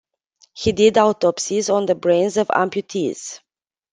He did autopsies on the brains of amputees.